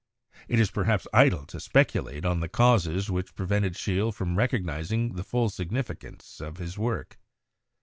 "It is, perhaps, idle to speculate on the causes which prevented Scheele from recognising the full significance of his work.